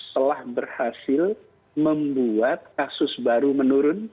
telah berhasil membuat kasus baru menurun